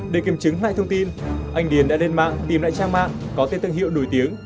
để kiểm chứng lại thông tin anh điền đã lên mạng tìm lại trang mạng có tên thương hiệu nổi tiếng